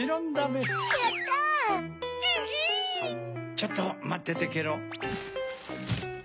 ちょっとまっててけろ。